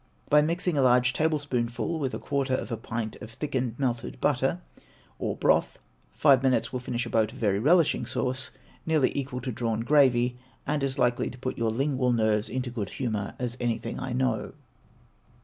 By mixing a large tablespoonful with a quarter of a pint of thickened melted butter, or broth, five minutes will finish a boat of very relishing sauce, nearly equal to drawn gravy, and as likely to put your lingual nerves into good humor as anything I know.